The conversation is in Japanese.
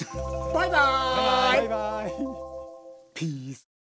バイバイ！